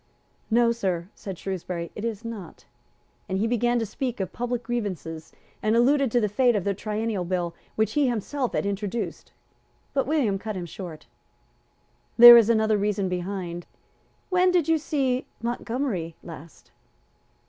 "No, Sir," said Shrewsbury, "it is not." And he began to speak of public grievances, and alluded to the fate of the Triennial Bill, which he had himself introduced. But William cut him short. "There is another reason behind. When did you see Montgomery last?"